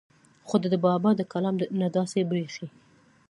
خو د بابا د کلام نه داسې بريښي